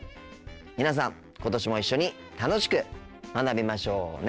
皆さん今年も一緒に楽しく学びましょうね！